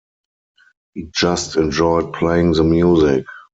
He just enjoyed playing the music.